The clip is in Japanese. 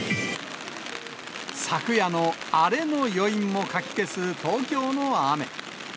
昨夜のアレの余韻もかき消す東京の雨。